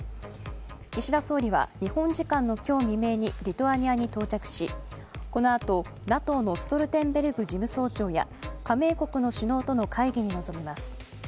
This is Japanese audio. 岸田総理は日本時間の今日未明にリトアニアに到着しこのあとＮＡＴＯのストルテンベルグ事務総長や加盟国の首脳との会議に臨みます。